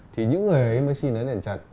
thì những người ấy mới xin đến đền trần